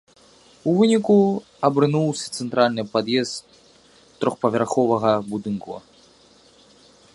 У выніку, абрынуўся цэнтральны пад'езд трохпавярховага будынку.